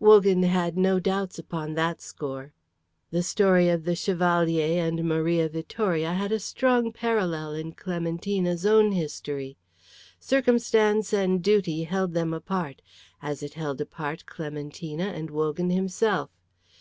Wogan had no doubts upon that score. The story of the Chevalier and Maria Vittoria had a strong parallel in Clementina's own history. Circumstance and duty held them apart, as it held apart Clementina and Wogan himself.